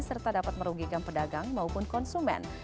serta dapat merugikan pedagang maupun konsumen